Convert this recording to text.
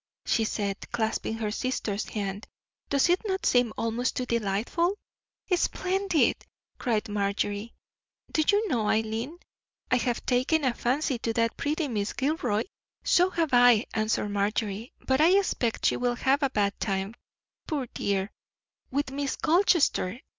she said, clasping her sister's hand. "Does it not seem almost too delightful?" "Splendid!" cried Marjorie. "Do you know, Eileen, I have taken a fancy to that pretty Miss Gilroy?" "So have I," answered Marjorie. "But I expect she will have a bad time, poor dear, with Miss Colchester.